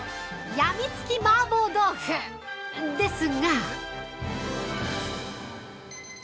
やみつき麻婆豆腐ですが。